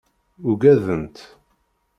Ugadent.